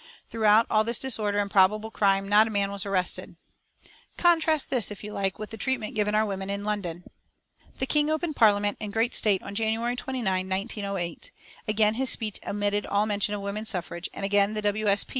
Throughout all this disorder and probable crime, not a man was arrested. Contrast this, if you like, with the treatment given our women in London. The King opened Parliament in great state on January 29, 1908. Again his speech omitted all mention of woman suffrage, and again the W. S. P.